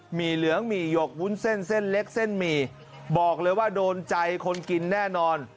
ี่เหลืองหมี่หยกวุ้นเส้นเส้นเล็กเส้นหมี่บอกเลยว่าโดนใจคนกินแน่นอน